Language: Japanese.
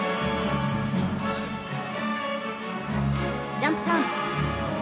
ジャンプターン。